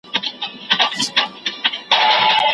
تازه ګلونه د باغوان له لاسه ورژېدل